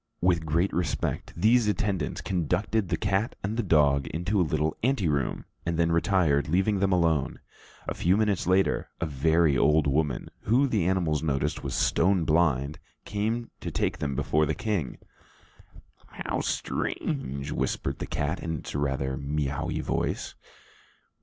With great respect, these attendants conducted the cat and the dog into a little ante room, and then retired, leaving them alone. A few minutes later, a very old woman, who, the animals noticed, was stone blind, came to take them before the king. "How strange!" whispered the cat in its rather meouw y voice.